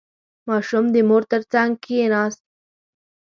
• ماشوم د مور تر څنګ کښېناست.